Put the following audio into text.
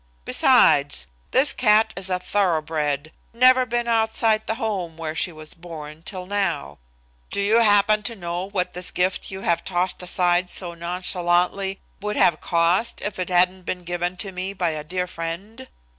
Besides, this cat is a thoroughbred, never been outside the home where she was born till now. Do you happen to know what this gift you are tossing aside so nonchalantly would have cost if it hadn't been given me by a dear friend?